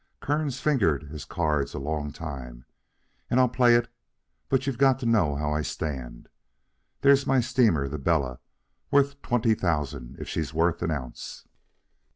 Kearns fingered his cards a long time. "And I'll play it, but you've got to know how I stand. There's my steamer, the Bella worth twenty thousand if she's worth an ounce.